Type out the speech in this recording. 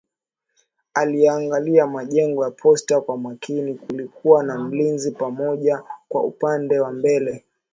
Aliyaangalia majengo ya posta kwa makini kulikuwa na mlinzi mmoja kwa upande wa mbele